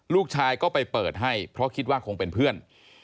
ลูกชายก็ไปเปิดให้เพราะคิดว่าคงเป็นเพื่อน